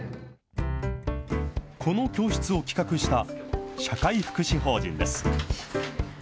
この教室を企画した社会福祉法人です。